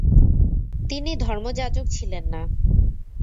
তিনি ধর্মযাজক ছিলেন না ।